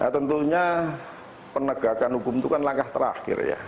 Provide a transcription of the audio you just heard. tentunya penegakan hukum itu kan langkah terakhir ya